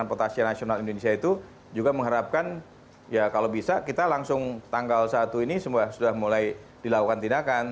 transportasi nasional indonesia itu juga mengharapkan ya kalau bisa kita langsung tanggal satu ini sudah mulai dilakukan tindakan